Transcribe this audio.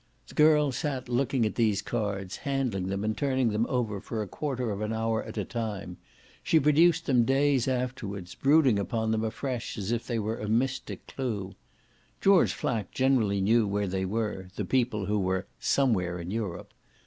The girl sat looking at these cards, handling them and turning them over for a quarter of an hour at a time; she produced them days afterwards, brooding upon them afresh as if they were a mystic clue. George Flack generally knew where they were, the people who were "somewhere in Europe."